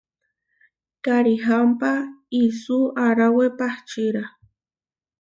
Karihámpa isú aaráwe pahčíra.